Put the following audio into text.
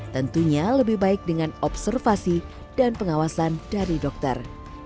tentunya lebih baik dengan observasi dan pengawasan dari dokter